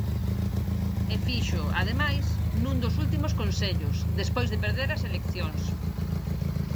E fíxoo, ademais, nun dos últimos consellos, despois de perder as eleccións.